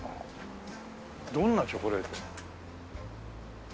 どんなチョコレート？